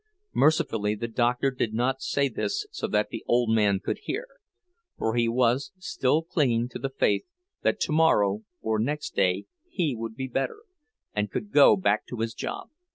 Mercifully the doctor did not say this so that the old man could hear, for he was still clinging to the faith that tomorrow or next day he would be better, and could go back to his job.